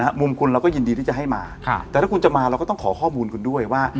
มุมคุณเราก็ยินดีที่จะให้มาค่ะแต่ถ้าคุณจะมาเราก็ต้องขอข้อมูลคุณด้วยว่า